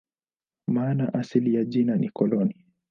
Maana asili ya jina ni "koloni".